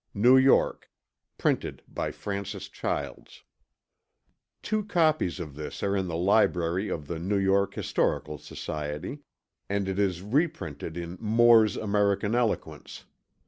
New York. Printed by Francis Childs Two copies of this are in the library of the New York Historical Society, and it is reprinted in Moore's American Eloquence.